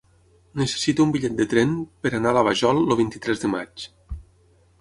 Necessito un bitllet de tren per anar a la Vajol el vint-i-tres de maig.